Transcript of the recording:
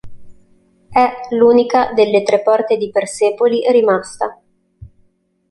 È l'unica delle tre porte di Persepoli rimasta.